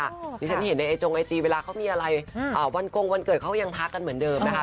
ที่ฉันเห็นในไอจงไอจีเวลาเขามีอะไรวันกงวันเกิดเขายังทักกันเหมือนเดิมนะคะ